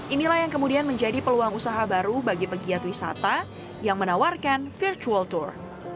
inilah yang kemudian menjadi peluang usaha baru bagi pegiat wisata yang menawarkan virtual tour